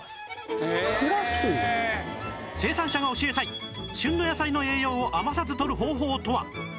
生産者が教えたい旬の野菜の栄養を余さずとる方法とは？